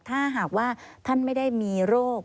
ถ้าหากว่าท่านไม่ได้มีโรค